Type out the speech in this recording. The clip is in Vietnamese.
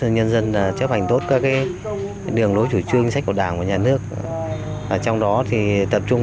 nhân dân chấp hành tốt các đường lối chủ trương sách của đảng và nhà nước trong đó thì tập trung